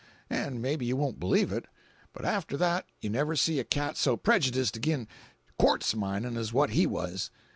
An' may be you won't believe it, but after that you never see a cat so prejudiced agin quartz mining as what he was.